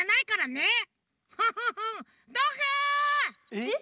えっ！？